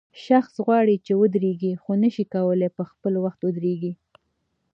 شخص غواړي چې ودرېږي خو نشي کولای په خپل وخت ودرېږي.